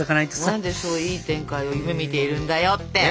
何でそういい展開を夢みているんだよって！